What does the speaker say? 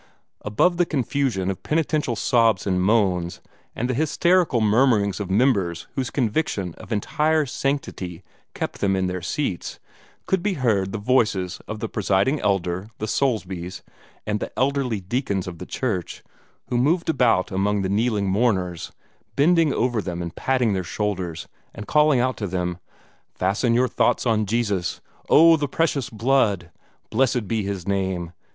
Above the confusion of penitential sobs and moans, and the hysterical murmurings of members whose conviction of entire sanctity kept them in their seats, could be heard the voices of the Presiding Elder, the Soulsbys, and the elderly deacons of the church, who moved about among the kneeling mourners, bending over them and patting their shoulders, and calling out to them: "Fasten your thoughts on Jesus!" "Oh, the Precious Blood!" "Blessed be His Name!"